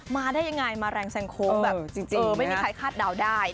มาได้อย่างไรมาแรงสังคมแบบไม่มีใครคาดเดาได้